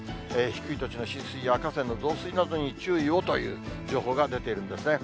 低い土地の浸水や河川の増水などに注意をという情報が出ているんですね。